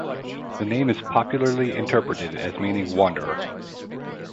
The name is popularly interpreted as meaning wanderer.